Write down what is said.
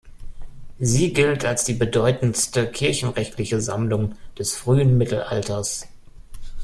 Sie gilt als die bedeutendste kirchenrechtliche Sammlung des frühen Mittelalters.